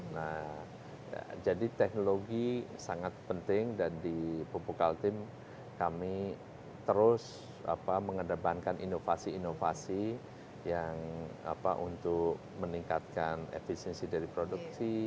nah jadi teknologi sangat penting dan di pupuk altim kami terus mengedepankan inovasi inovasi yang untuk meningkatkan efisiensi dari produksi